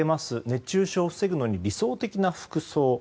熱中症を防ぐのに理想的な服装。